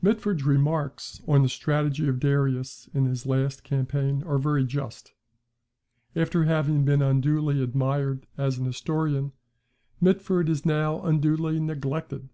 [Mitford's remarks on the strategy of Darius in his last campaign are very just. After having been unduly admired as an historian, Mitford is now unduly neglected.